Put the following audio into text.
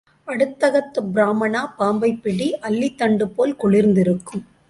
அடுத்தகத்துப் பிராம்மணா பாம்பைப் பிடி அல்லித் தண்டுபோல் குளிர்ந்திருக்கும்.